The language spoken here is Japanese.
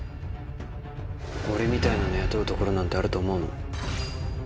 俺みたいなの雇う所なんてあると思うの？